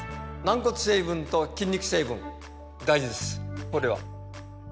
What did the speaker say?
軟骨成分と筋肉成分大事です